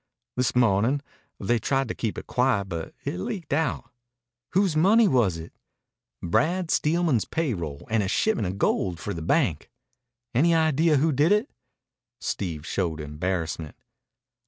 "This mo'nin'. They tried to keep it quiet, but it leaked out." "Whose money was it?" "Brad Steelman's pay roll and a shipment of gold for the bank." "Any idea who did it?" Steve showed embarrassment.